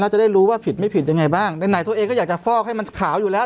จะได้รู้ว่าผิดไม่ผิดยังไงบ้างไหนตัวเองก็อยากจะฟอกให้มันขาวอยู่แล้ว